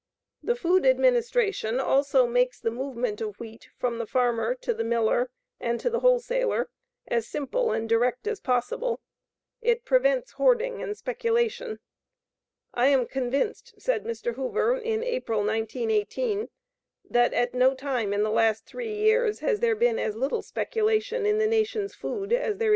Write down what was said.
The Food Administration also makes the movement of wheat from the farmer to the miller and to the wholesaler as simple and direct as possible. It prevents hoarding and speculation. "I am convinced," said Mr. Hoover, in April, 1918, "that at no time in the last three years has there been as little speculation in the nation's food as there is to day."